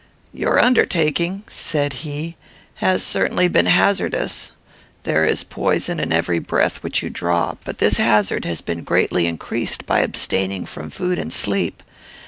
"Your undertaking," said he, "has certainly been hazardous. There is poison in every breath which you draw, but this hazard has been greatly increased by abstaining from food and sleep.